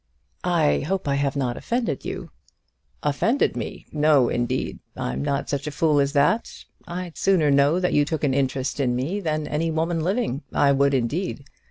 "I hope I have not offended you." "Offended me! no, indeed, I'm not such a fool as that. I'd sooner know that you took an interest in me than any woman living. I would, indeed.